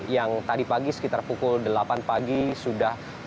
yang tadi pagi sekitar pukul delapan pagi sudah